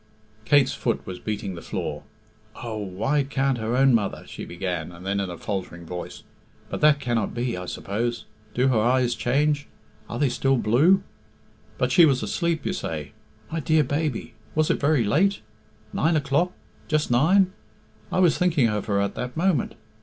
Kate's foot was beating the floor. "Oh, why can't her own mother " she began, and then in a faltering voice, "but that cannot be, I suppose.... Do her eyes change? Are they still blue? But she was asleep, you say. My dear baby! Was it very late? Nine o'clock? Just nine? I was thinking of her at that moment.